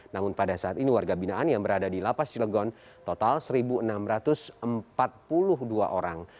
namun pada saat ini warga binaan yang berada di lapas cilegon total satu enam ratus empat puluh dua orang